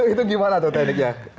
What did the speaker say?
itu gimana tuh tekniknya